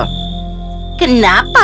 kenapa kau tidak permisi dulu padaku